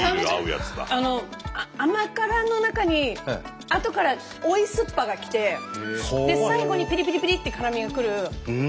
甘辛の中にあとから追いすっぱが来てで最後にピリピリピリって辛みが来る。